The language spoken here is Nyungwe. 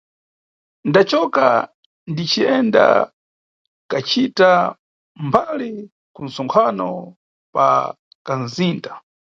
Ndacoka diciyenda kacita mbali ku nʼtsonkhano pa kanʼzinda.